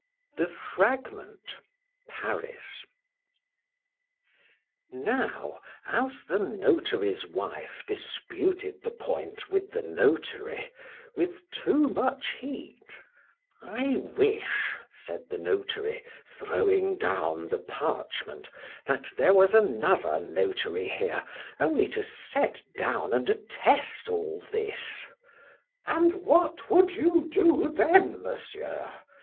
THE FRAGMENT. PARIS. —NOW, as the notary's wife disputed the point with the notary with too much heat,—I wish, said the notary, (throwing down the parchment) that there was another notary here only to set down and attest all this.— —And what would you do then, Monsieur?